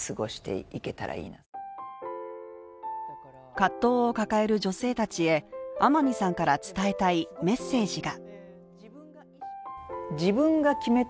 葛藤を抱える女性たちへ天海さんから伝えたい、メッセージが。